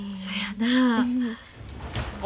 そやなあ。